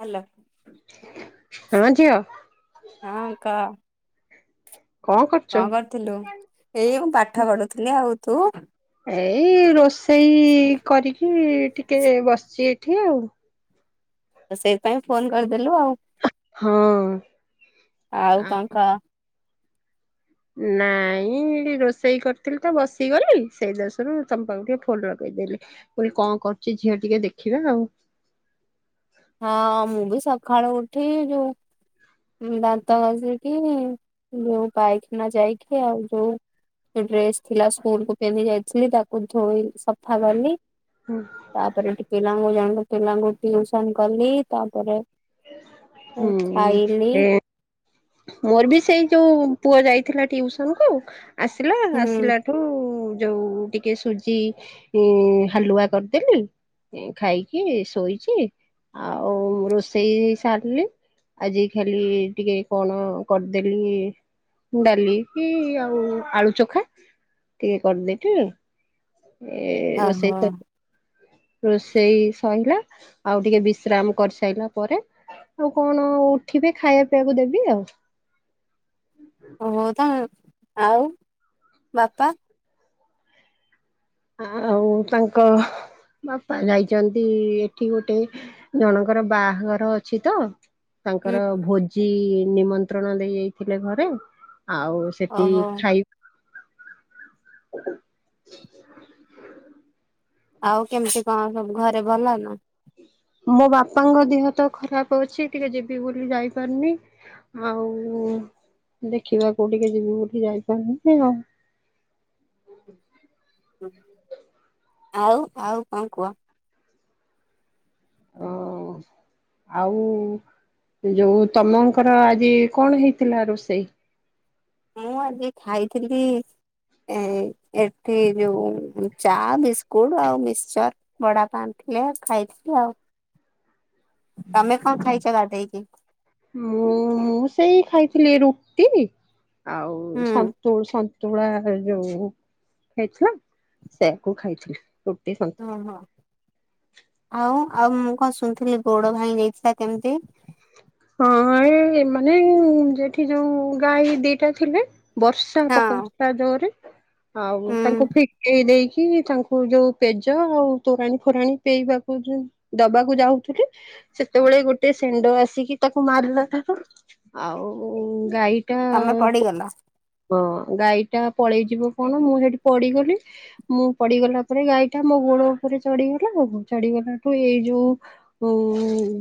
Hello. ହଁ ଝିଅ ହଁ କହ। କଣ କରିଥିଲୁ ଏଇ ମୁଁ ପାଠ ପଢୁଥିଲି ଆଉ। ତୁ? ଏଇ ରୋଷ ସେଇ କରିକି ଟିକେ ବସିଛି ଏଠି ଆଉ। ସେଇଥିପାଇଁ ଫୋନ କରିଦେଲୁ ଆଉ। ହଁ। ଆଉ କଣ କହ। ନାଇଁ ରୋଷେଇ କରିଥିଲି ତ ବସିଗଲି ସେଇ ଦଷରୁ ତମ ପାଖକୁ ଟିକେ ଫୋନ ଲଗେଇଦଲି ପ କଣ କରୁଛି ଝିଅ ଟିକେ ଦେଖିବା ଆଉ। ହଁ ମୁଁ ବିି ସଖାଳୁ ଉଠି ଯଉ ଦାନ୍ତ ଘସିକ ଯୋଉ ପାଇଖାନା ଯାଇକି ଆଉ ଯୋଉ ଡ୍ରେସ ଥିଲା ସ୍କୁଲ କୁ ପିନ୍ଧି ଯାଇଥିଲି ତାକୁ ଧୋଇ ସ ଫା କଲି ତାପରେ ଏଠି ପିଲାଙ୍କୁ ଜାଣ ପିଲାଙ୍କୁ ଟିଉସନ କଲି ତାପରେ ହୁଁ। [unintelligible] ଖାଇଲି ମୋର ବି ସେଇ ଯୋଉ ପୁଅ ଯାଇଥିଲା ଟିଉସନ କୁ ଆସିଲା ହୁଁ ଆସିଲା ଠୁ ଯୋଉ ଟିକେ ସୁଜି ହାଲୁଆ କରିଦେଲି ଖାଇକି ଶୋଇଛି ଆଉ ରୋଷେଇ ସାରିଲି ଆଜି ଖାଲି ଟିକେ କଣ କରିଦେଲି ଡାଲି କି ଆଉ ଆଳୁ ଚଖା ଟିକେ କରିଦେଲି। ହ ହୋ। ରୋଷେଇ ସରିଲା ଆଉ ଟିକେ ବିଶ୍ରାମ କରିସାରିଲା ପରେ ଆଉ କଣ ଉଠିବେ ଖାଇବା ପିଇବାକୁ ଦେବି ଆଉ। ବୋଉ ତ ଆଉ ବାପା? ଆଉ ତାଙ୍କ ବାପା ଯାଇଛନ୍ତି ଏଠି ଗୋଟେ ଜଣଙ୍କର ବାହାଘର ଅଛି ତ। ହୁଁ ତାଙ୍କର ଭୋଜି ନିମନ୍ତ୍ରଣ ଦେଇ ଯାଇଥିଲେ ଘରେ। ଆଉ ସେଠି ଓହୋ ଖାଇ [inaudible] ଆଉ କେମିତି କଣ ସବୁ ଘରେ ଭଲ ନା? ମୋ ବାପାଙ୍କ ଦେହ ତ ଖରାପ ଅଛି ଟିକେ ଯିବି ବୋଲି ଯାଇପାରୁନି ଆଉ ଦେଖିବାକୁ ଟିକେ ଯିବି ବୋଲି ଯାଇପାରୁନି ଆଉ। ଆଉ ଆଉ କଣ କୁହ। ଓ ଆଉ ଯୋଉ ତମଙ୍କର ଆଜି କଣ ହେଇଥିଲା ରୋଷେଇ? ମୁଁ ଆଜି ଖାଇଥିଲି ଏ ଏଠି ଯୋଉ ଚା ବିସ୍କୁଟ ଆଉ ମିକ୍ସଚର ବଡାପା ଆଣି ଥିଲେ ଖାଇଥିଲି ଆଉ। ତମେ କଣ ଖାଇଛ ଗାଧେଇକି? ଥିଲେ ରୁକ୍ତି। ଆଉ ହୁଁ। ସନ୍ତୁଳ। ପ ତୁଳା ଯୋଉ ଖାଇଥିଲା ସେୟାକୁ ଖାଇଥିଲି। ରୁଟି ହ ସନ୍ତୁଳା ହୋଁ ଆଉ। ଆଉ ମୁଁ କଣ ଶୁଣିଥିଲି ଗୋଡ ଭାାଇ ଦେଇଥିଲା କେମତି। ହଁ ମାନେ ସେଠି ଯୋଉ ଗାଈ ଦିଟା ଥିଲେ। ବର୍ଷା ହଁ ପକଉଥିଲା ଜୋରେ ଆଉ ତାଙ୍କୁ ହୁଁ ଫଟେଇ ଦେଇ କି ତାଙ୍କୁ ଯୋଉ ପେଜ ଆଉ ତୋରାଣି ଫୋରାଣି ପିଇବାକୁ ଦବାକୁ ଯାଉଥିଲି ସେତେବେଳେ ଗୋଟେ ସେ ଆସିକି ତାକୁ ମାରିଲା ଆଉ ଗାଈଟା ତମେ ପଡିଗଲ। ହଁ ଗାଈ ଟା ପଳେଇ ଯିବ କଣ ମୁଁ ସେଇଠି ପଡିଗଲି ମୁଁ ପଡିଗଲା ପରେ ଗାଈଟା ମୋ ଗୋଡ ଉପରେ ଚଢଡିଗଲା ଆଉ ଚଢଡିଗଲାଠୁ ଏଇ ଯୋଉ ଉ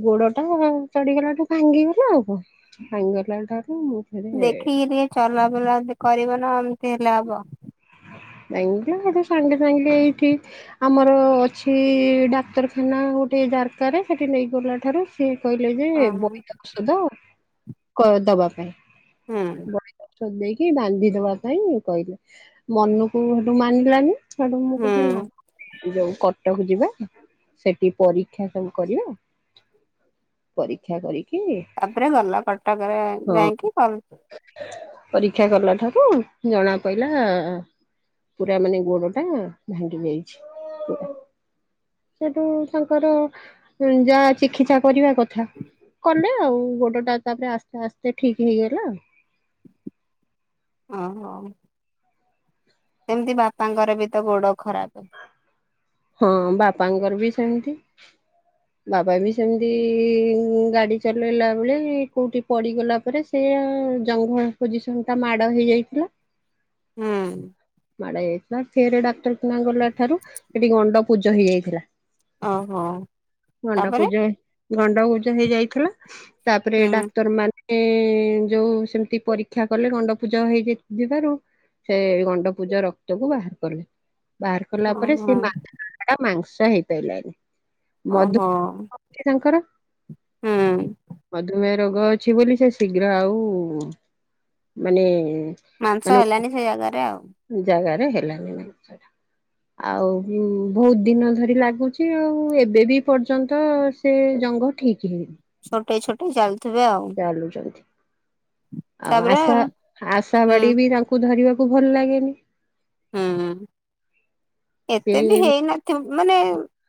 ଗୋଡ ଟା ଚଢିଗଲାଠୁ ଭାଙ୍ଗିଗଲା ଆଉ କଣ ଭାଙ୍ଗିଗଲା ଠାରୁ- ଫେରେ ଦେଖିକି ଟିକେ ଚଲାବୁଲା କରିବ ନା ସେ ଲାଭ [unintelligible] ଠୁ ସାଙ୍ଗେ ସାଙ୍ଗେ ଏଇଠି ଆମର ଅଛି ଡାକ୍ତରଖାନା ଗୋଟେ ଦାରକା ରେ ସେଠି ନେଇଗଲା ଠାରୁ ସିଏ। କହିଲେ ଯେ ଓହୋ। ବହିତ ଔଷଧ ଆ କର ଦବା ପାଇଁ। ହୁଁ। ନେଇକି ବାନ୍ଧି ଦବା ପାଇଁ କହିଲେ ମନୁକୁ ହେତୁ ମାନ ପିଲାନି। ଛଡୁ ମୁଖ ହୁଁ ଖେିଲ। ଯୋଉ କଟକ ଯିବା ସେଠି ପରୀକ୍ଷା ସବୁ କରିବା ପରୀକ୍ଷା କରି ତାପରେ ଗଲା କଟକରେ ହଁ ଯାଇକି କଲ [inaudible] ପରୀକ୍ଷା କଲା ଠାରୁ ଜଣା ପଇଲା ପୁରା ମାନେ ଗୋଡ଼ ଟା ଭାଙ୍ଗି ଯାଇଛି ପୁରା ସେଠୁ ତାଙ୍କର ଯା ଚିକିତ୍ସା କରିବା କଥା କଲେ ଆଉ ଗୋଡ ଟା ତାପରେ ଆସ୍ତେ ଆସ୍ତେ ଠିକ୍ ହେଇଗଲା। [unintelligible] ଏମ୍ତି ବାପାଙ୍କର ବି ତ ଗୋଡ଼ ଖରାପେ ହଁ ବାପାଙ୍କର ବି ସେମିତି ବାବା ବି ସେମିତି ଗାଡ଼ି ଚଲେଇଲା ବେଳେ କୋଉଠି ପଡ଼ି ଗଲା ପରେ ସେ ଜଙ୍ଘ ଆ ପୋଜିସନ୍ ଟା ମାଡ଼ ହେଇଯାଇଥିଲା। [unintelligible] ହୁଁ ମାଡ଼ ହେଇଯାଇଥିଲା ଫେର୍ ଡାକ୍ଟର୍ ନା ଗଲା ଠାରୁ ସେଟି ଗଣ୍ଡ ପୂଜ ହେଇଯାଇଥିଲା। ଅ ହ ତାପରେ ଗଣ୍ଡପୂଜ ହେଇଯାଇଥିଲା। ତାପରେ ହୁଁ। ଡାକ୍ତର ମାନ୍ ଏ ଯୋଉ ସେମତି ପରୀକ୍ଷା କଲେ ଗଣ୍ଡ ପୂଜ ହେଇକି ଯିବାରୁ ସେ ଗଣ୍ଡ ପୂଜ ରକ୍ତକୁ ବାହାର କରବେ। ବାହାର୍ କଲା ପରେ ଓହୋ ସେ ମା [unintelligible] ମାଂସ୍ ତା ହେଇପାଇଲାନି। ମଧୁ ଓହୋ ଅଛି ତାଙ୍କର ହୁଁ ମଧୁମେୟ ରରଗ ଅଛି ବୋଲି ସେ ଶୀଘ୍ର ଆଉ ମାନେ ମାଂସ ମାନେ ଏଲାନି ସେ ୟାଗାରେ ଆଉ ଜାଗାରେ ହେଲା ଆଉ ଭୋଉତ ଦିନ ଧରି ଲାଗୁଛି ଆଉ ଏବେ ବି ପର୍ଯ୍ୟନ୍ତ ସେ ଜଘଂ ଠିକ୍ ଛୋଟେଇ ଛୋଟ୍ ଟେ ଜାଲ୍ ଚାଲୁଚନ୍ତି। ଆଉ ତାପରେ ଆଶା ଆଶା ହୁଁ ବାଡ଼ି ବି ତାଙ୍କୁ ଧରିବା କୁ ଭଲ୍ ଲାଗେନି ହୁଁ ସେ ଏତେ ବି ହେଇନଥିବ ମାନେ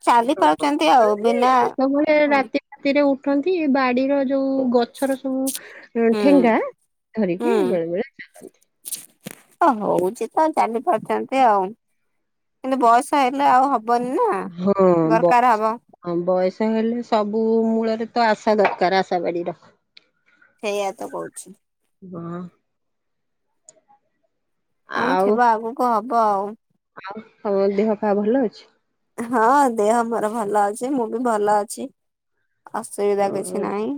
ଚାଲି ପାରୁଚନ୍ତି ଆଉ ବିନା ହୁଁ। ଠନ୍ତି ବାଡିର ଯୋଉ ଗଛର ସବୁ ଏ ଠେଙ୍ଗା ଧରିକି ବେଳେ ବେଳେ ଚାଲନ୍ତି। ଅ ହୋଉଚି ତ ଚାଲି ପାରୁଚନ୍ତି ଆଉ କିନ୍ତୁ ବୟସ ହେଲେ ଆଉ ହବ ହବନି ନା ହଁ ବ ଦରକାର ହଁ ବଏସ ହେଲେ ସବୁ ମୂଳରେ ତ ଆଶା ଦରକାର ଆଶା ବାଡିର। ସେଇଆ ତ କୋହୁଛି। ଗଁ କଣ ଥିବ ଆଗକୁ ହ ହବ ଆଉ। ଆଉ ତମ ଦେହ ପା ଭଲ ଅଛି। ହଁ ଦେହମୋର ଭଲ ଅଛି ମୁଁ ବି ଭଲ ଅଛି। ଅସୁବିଧା କିଛି ଅଛି? ନାହିଁ।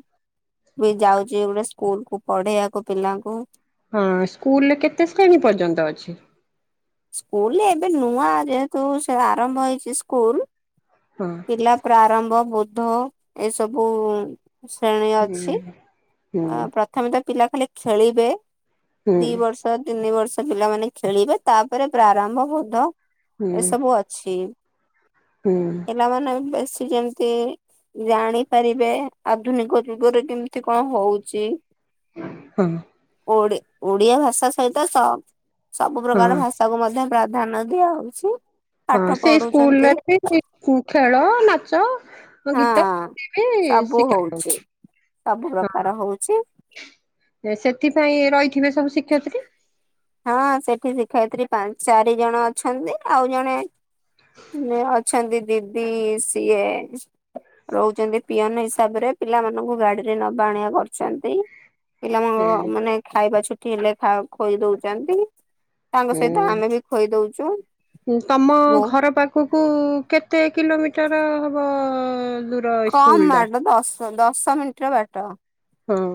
ବି ଯାଉଚି ଏଇ ଗୁଡା ସ୍କୁଲକୁ ପଢେଇବାକୁ ପିଲାଙ୍କୁ। ହଁ ସ୍କୁଲରେ କେତେ ଶ୍ରେଣୀ ପର୍ଯ୍ୟନ୍ତ ଅଛି? ସ୍କୁଲରେ ଏବେ ନୂଆ ଯେହେତୁ ସେ ଆରମ୍ଭ ହେଇଚି ସ୍କୁଲ ହଁ ପିଲା ପ୍ରାରମ୍ଭ ବୌ ଧ ଏସବୁ ଶ୍ରେଣୀ ଅଛି। ହୁଁ ହୁଁ ଅ ପ୍ରଥମେ ତ ପିଲା ଖାଲି ଖେଳିବେ ହୁଁ ଦି ବର୍ଷ ତିନି ବର୍ଷ ସେ ପିଲାମାନେ ଖେଳିବେ ତାପରେ ପ୍ରାରମ୍ଭ ବୋଧ ଏସବୁ ଅଛି। ହୁଁ ପିଲା ମନେ ବେସି ଯେମତି ଜାଣିପାରିବେ ଆଧୁନିକ ଯୁଗରେ କେମିତି କଣ ହଉଛି? ହଁ। ଓ ଓଡିଆ ଭାଷା ସହିତ ତ ସବୁ ହଁ ପ୍ରକାର ଭାଷା କୁ ମଧ୍ୟ ପ୍ରା ଧାନ ଦିଆ ହଉଛି। ହଁ ସେଇ ସ୍କୁଲରେ ବି ଖେଳ ନାଚ ହଁ ଗୀତ ବି ସବୁ ହଉଛି ଶିଖାହଉଛି। ସବୁ ପ୍ରକାର ହଉଛି। ହଁ ସେଥିପାଇଁ ରହି ଦେଖିବେ ସବୁ ଶିକ୍ଷୟତ୍ରୀ। ହଁ ସେଠି ଶିକ୍ଷୟତ୍ରୀ ଚାରି ଜଣ ଅଛନ୍ତି ଆଉ ଜଣେ ଅଛନ୍ତି ଦିଦି ସିଏ ରହୁଛନ୍ତି ପିଅନ ହିଶା ହିସାବରେ ପିଲାମାନଙ୍କୁ ଗାଡି ରେ ନବା ଆଣିବା କରିଛନ୍। ପିଲାମାନଙ୍କ ମାନେ ଖାଇବା ଛୁଟି ହେଲେ ଖୋଇ ଦଉଛନ୍ତି। ତାଙ୍କ ସହିତ ହୁଁ ଆମେ ବି ଖୋଇ ଦଉଛୁ, ବହୁ ଖ କୁ କେତେ କିଲୋମିଟର ହବ ଦୂର ସ୍କୁଲ କମ୍ ଟା? ବାଟ ଦଶ ଦଶ ମିନିଟର ବାଟ। ହଁ।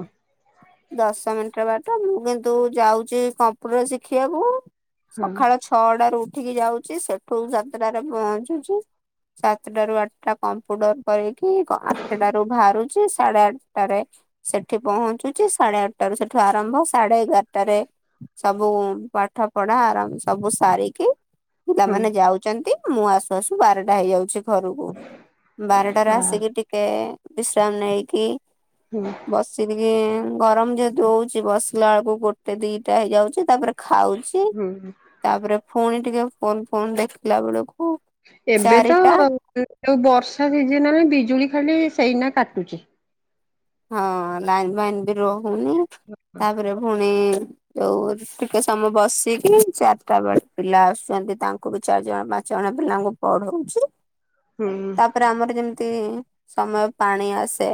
ଦଶ ମିନିଟର ବାଟ, ମୁଁ କିନ୍ତୁ ଯାଉଛି କମ୍ପ୍ୟୁଟର ଶିଖିବାକୁ । ହଁ ସକାଳ ଛଅଟାରୁ ଉଠ ଉଠିକି ଯାଉଛି, ସେଠୁ ସାତଟାରେ ପହଞ୍ଚୁଛି, ସାତଟ ରୁ ଆଠଟା କମ୍ପ୍ୟୁଟର କରିକି ଆଠଟାରୁୁ ବାହାରୁଛି, ସାଢେ ଆଠଟାରେ ସେଠି ପହଞ୍ଚୁ ସାଢେ ଆଠଟା ରୁ ସେଠୁ ଆରମ୍ଭ। ସାଢେ ଏଗାରଟାରେ ସବୁ ପାଠ ପଢା ଆରାମ ସବୁ ସାରିକି ହଁ ପିଲାମାନେ ଯାଉଛନ୍ତି। ମୁଁ ଆସୁ ଆସୁ ବାରଟା ହେଇଯାଉଛି। ଘରକୁ, ବାରଟାରେ ହଁ ଆସିକି ଟିକେ ବିଶ୍ରାମ ନେଇକି ହୁଁ ବସିନିକି ଗରମ ଯେହେତୁ ଦଉଛି, ବସିଲା ବେଳକୁ ଗୋଟେ, ଦିଟା ହେଇଯାଉଛି ତାପରେ ଖାଉଛି। ହୁଁ ତାପରେ ପୁଣି ଟିକେ ଫୋନ ଫୋନ୍ ଦେଖିଲା ବେଳକୁ ଏବେ ତ ଚାରିଟା ଯୋଉ ବର୍ଷା ସିଜିନ ବିଜୁଳି। ଖଲି ସେଇନା କାଟୁଛି। ହଁ ଲାଇନ୍ ବାଇନ୍ ବି ରହୁନି। ହୁନି ତାପରେ ପୁଣି ଯୋଉ ଟିକେ ସମୟ ବସିକି ଚାରିଟା ବେଳେ ପିଲା ଆସୁଛନ୍ତି ତାଙ୍କୁ ବି ଚାରି ଜଣ ପାଞ୍ଚ ଜଣ ପିଲାଙ୍କୁ ପଢଉଛି। ହୁଁ ତାପରେ ଆମର ଯେମିତି ସମୟ ପାଣି ଆସେ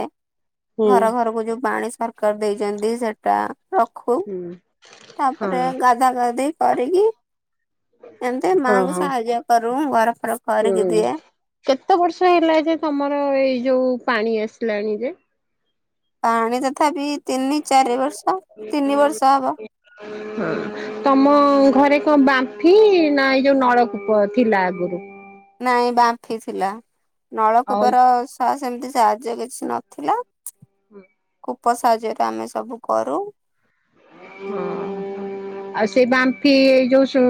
ହୁଁ ଘର ଘରକୁ ଯୋଉ ପାଣି ଦରକାର ଦେଇଛନ୍ତି ସେଟା ରଖୁ ତାପରେ ଗାଧା ଗାଧି କରିକି ଏମିତି ହଁ ମାଆଙ୍କୁ ହଁ ସାହାଯ୍ୟ କରୁ ଘର ଫର ଖରିକି ହୁଁ, ଦିଏ। କେତେ ବର୍ଷ ହେଲା ଯେ ତମର ଏଇ ଯୋଉ ପାଣି ଆସ ଲଣିୀ ଯେ ପାଣି ତଥାପି ତିନି ଚାରି ବର୍ଷ ତିନି ବର୍ଷ ହବ ହ, ତମ ଘରେ! କଣ ବାଫି ନା ଏଇ ଯୋଉ ନଳକୂପ ଥିଲା ଆଗରୁ ନାଇଁ ବାଫି ଥିଲା ଆଉ ନଳକୂପର ଶ୍ୱାସ ଏମିତି ସାହାଯ୍ୟ କିଛି ନଥିଲା ହୁଁ ଉପ ସାହାଯ୍ୟରେ ଆମେ ସବୁ କରୁ ହଁ ଆଉ ସେଇ ବାମ୍ଫି ଯୋଉ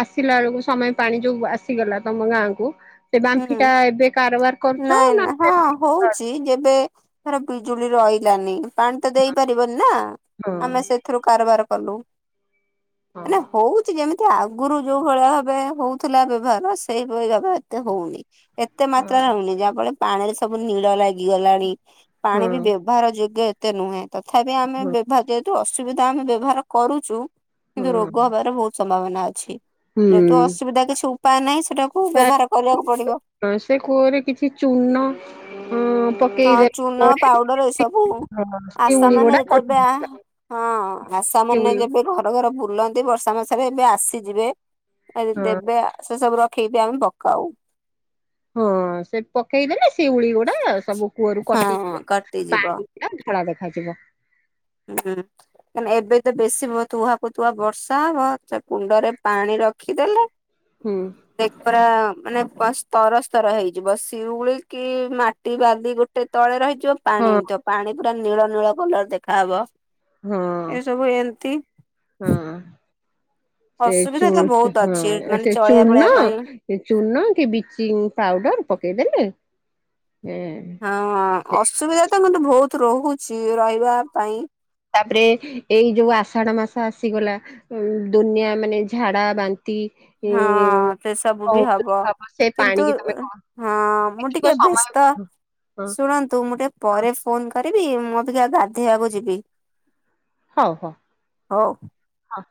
ଆସିଲା ବେଳକୁ ସମୟ ପାଣି ଯୋଉ ଆସିଗଲା ତମ ଗାଁ କ ସେ ବାମ୍ଫି ହୁଁ ଟା ଏବେ କାରବାର କରୁଛ ନାଇଁ ନା ହଁ ପିଜୁଳି ରହିଲାନି ପାଣି ତ ଦେଇପାରିବନି ନା ହଁ ଆମେ ସେଥିରୁ କାରବାର ଫଲୋ ହଁ ମାନ ହଉଛି ଯେମିତି ଆଗରୁ ଯୋଉ ଭଳିଆ ଭାବେ ହଉଥିଲା ବ୍ୟବହାର ସେଇଭଳି ବ୍ୟବ ଏତେ ହଉନି ଏତେ ମାତ୍ରାରେ ହଁ ହଉନି ଯାହା ଫଳରେ ପାଣିରେ ସବୁ ନୀଳ ଲାଗିଗଲାଣି ପାଣି ହଁ। ବି ବ୍ୟବହାର ଯୋଗ୍ୟ ତେ ନୁଁ ତଥାପି ଆମେ ହଁ ବିଭା ଅସୁବିଧା ଆମେ ବ୍ୟବହାର କରୁଛୁ । ହଁ କିନ୍ତୁ ରୋଗ ହବାର ବହୁତ । ସମ୍ଭାବନା ଅଛି । ଯେହେତୁ ହୁଁ ଅସୁବିଧା କିଛି । ଧା ନାଇ। ସେଟାକୁ ତା ବ୍ୟବହାର । କରିବାକୁ ପଡିବ ହଁ, ସେ କୂଅରେ କିଛି ଚୂନ ଅ ।ହଁ ପକେଇଦେଲା ଚୁନ ପରେ ପାଉଡର ଏସବୁ ହଁ, ଆଶା ଶିଉଳି ମାନେ ଗୁଡା କଟି ଯେବେ ହଁ ଆଶା ମାନେ ଶିଉଳି ଯେବେ ଘର ଘର। ବୁଲନ୍ତି ବର୍ଷା ମାସରେ ଏବେ ଆସିଯିବେ । ଆ ଯଦି ହଁ ଦେବେ ସେ ସବୁ ର । ପକେଇବି ଆମେ ପ କାଉ । ହଁ ସେ ପକେଇଦେଲେ ସିଉଳି ଗୁଡା ସବୁ କୂଅରୁ ହଁ କଟିଯିବ କଟିଯିବ ପାଣି ପୁର ଧଳା ଦେଖା । ଖା ଯିବ । ଉଁ ହୁଁ କାଁହିଁ ନା ଏବେ ତ ବେଶୀ ତୁହାହାକୁ ତୁହା ବର୍ଷା ହବ ସେ କୁଣ୍ଡରେ ପାଣି ରଖିଦେଲେ ହୁଁ । ଦେଖ ପରା ମାନେ । ବସ ସ୍ତର ସ୍ତର ହେଇଯିବ ସଉଳି କି ମାଟି ବାଲି ଗୋଟେ ତଳେ ରହିଯିବ । ଯୋଉ ପାଣି ହଁ ହଉ ଥିବ ପାଣି । ପୁରା ନୀଳ ନୀଳ କଲର ଦେଖା । ଖା ହବ ହଁ । ଏସବୁ ଏମିତି । ହଁ ସେ ଚୁ ହଁ ମାନେ ସେ ଚଳେଇବା ପଳେଇବା ଚୂନ ପାଇଁ ସେ ଚୂନ କି ବ୍ଲିଚିଂ ପାଉଡର ପକେଇଦେଲେ । ଏ । ହଁ ଅସୁବିଧା। ଧା ତ କିନ୍ତୁ ବହୁତ ରହୁଛି ରହିବା ପାଇଁ। ତାପରେ ଏଇ ଯୋଉ ଆଷାଢ ମାସ ଆସିଗଲା ଆ ଦୁନିଆ ମାନେ ଝାଡା ବାନ୍ତି । ହଁ ସେ ସବୁ ବି ତୁମେ ହବ ଭାବ ସେ କିନ୍ତୁ ପାଣିକି ତମେ କଣ ହଁ ମୁଁ ଦେଖିବ ଟିକେ ସମୟ ବ୍ୟସ୍ତ ହଁ ହଁ ଶୁଣନ୍ତୁ ମୁଁ ଟିକେ ପରେ ଫୋନ କରି ରିବି ମୁଁ ଅବିକା ଗାଧେଇବାକୁ ଯିବି। ହଉ ହଉ ହଉ। ହ।